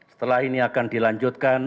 setelah ini akan dilanjutkan